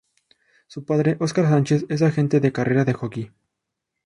Su padre, Óscar Sánchez, es agente de carreras de jockey.